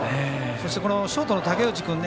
そしてこのショートの竹内君ね。